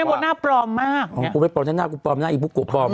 คุณแม่บนหน้าปลอมมากผมไม่ปลอมฉันหน้ากูปลอมหน้าอีกปุ๊กกูปลอมเลย